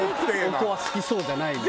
おこわ好きそうじゃないのに。